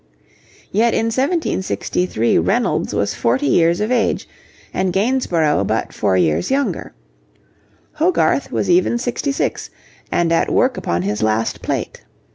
Yet in 1763 Reynolds was forty years of age and Gainsborough but four years younger. Hogarth was even sixty six, and at work upon his last plate.